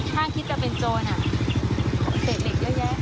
ถ้าคิดจะเป็นโจรเตะเด็กเยอะแยะ